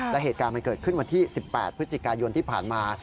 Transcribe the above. และเหตุการณ์มันเกิดขึ้นวันที่๑๘พฤศจิกายนที่ผ่านมา